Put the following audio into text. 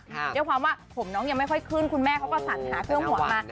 ด้วยความว่าผมน้องยังไม่ค่อยขึ้นคุณแม่เขาก็สัญหาเครื่องหัวมา